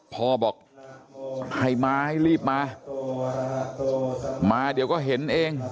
พ่อบอกให้มาให้รีบมามาเดี๋ยวก็เห็นเอง